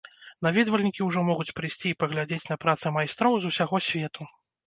Наведвальнікі ўжо могуць прыйсці і паглядзець на працы майстроў з усяго свету.